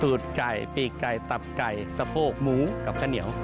ไก่ปีกไก่ตับไก่สะโพกหมูกับข้าวเหนียว